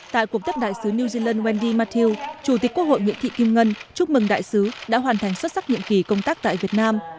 tại cuộc tiếp đại sứ new zealand wendy matthew chủ tịch quốc hội nguyễn thị kim ngân chúc mừng đại sứ đã hoàn thành xuất sắc nhiệm kỳ công tác tại việt nam